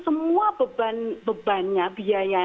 semua bebannya biaya